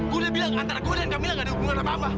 gue udah bilang antara gue dan camila gak ada hubungan sama mama